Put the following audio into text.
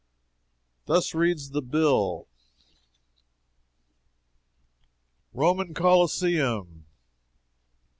Thus reads the bill: ROMAN COLISEUM.